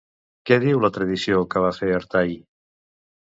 Què diu la tradició que va fer Artai?